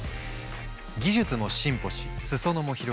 技術も進歩し裾野も広がり